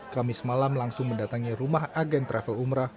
kami semalam langsung mendatangi rumah agen travel umrah